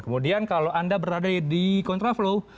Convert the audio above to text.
kemudian kalau anda berada di kontraflow